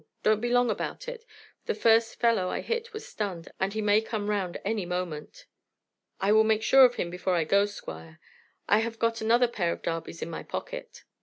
Don't be long about it; the first fellow I hit was stunned, and he may come round any moment." "I will make sure of him before I go, Squire. I have got another pair of darbys in my pocket."